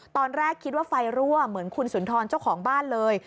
ตอนแรกคิดว่าไฟรั่วเหมือนคุณสุนทรเจ้าของบ้านเลย